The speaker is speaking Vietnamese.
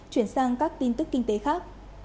chuyển sang các tin tức kinh tế khác